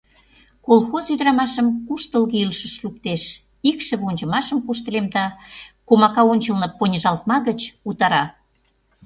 — Колхоз ӱдырамашым куштылго илышыш луктеш, икшыве ончымашым куштылемда, комака ончылно поньыжалтма гыч утара.